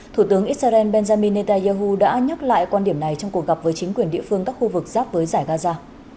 thủ tướng israel benjamin netanyahu đã nhắc lại quan điểm này trong cuộc gặp với chính quyền địa phương các khu vực giáp với giải gaza